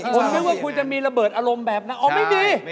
ผมนึกว่าคุณจะมีระเบิดอารมณ์แบบนั้นอ๋อไม่ดี